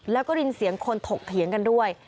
แล้วก็ได้ยินเสียงคนถกเถียงกันด้วย